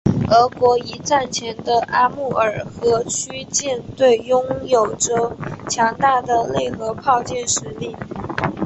俄国一战前的阿穆尔河区舰队拥有着强大的内河炮舰实力。